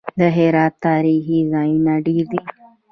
د هرات تاریخي ځایونه ډیر دي